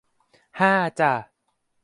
ห้าจ้ะ